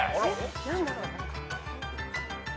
何だろう？